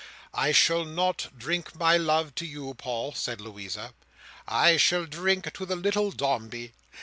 "I shall not drink my love to you, Paul," said Louisa: "I shall drink to the little Dombey.